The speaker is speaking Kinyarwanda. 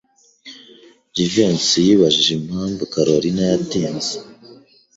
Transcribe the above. Jivency yibajije impamvu Kalorina yatinze.